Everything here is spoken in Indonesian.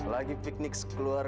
ya gua nyangka